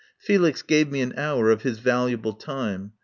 Felix gave me an hour of his valuable time.